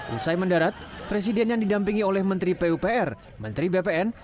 usai mendarat presiden yang didampingi oleh menteri pupr menteri bpn